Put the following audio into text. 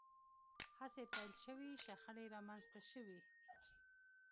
هڅې پیل شوې شخړې رامنځته شوې